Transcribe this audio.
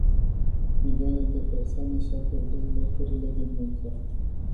Milioane de persoane și-au pierdut locurile de muncă.